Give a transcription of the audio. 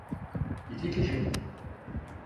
İki kişilik.